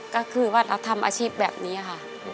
ก็คือว่าเราทำอาชีพแบบนี้ค่ะ